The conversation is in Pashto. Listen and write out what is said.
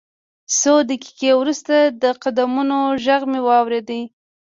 څو دقیقې وروسته د قدمونو غږ مې واورېد